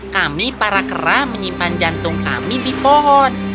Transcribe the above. kami para kera menyimpan jantung kami di pohon